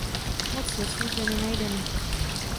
Moc lesů zde nenajdeme.